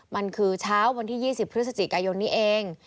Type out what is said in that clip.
มันคือเช้าวันที่๒๐พฤศจิกายนนี้เอง